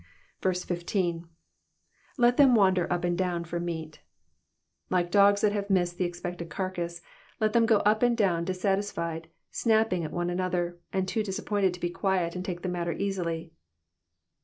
15. ^^Let them wander up and down for mmt'^'' Like dogs that have missed the expected carcass, let them go up and down dissatisfied, snapping at one another, and too disappointed to be quiet and take the' matter easily.